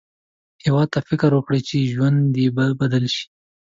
هیواد ته فکر وکړه، چې ژوند دې بدل شي